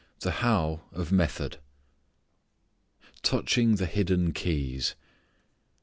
The "How" of Method Touching the Hidden Keys.